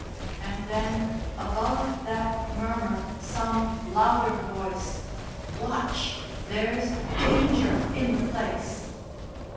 and then, above that murmur, some louder voice: "Watch! there's danger in the place!"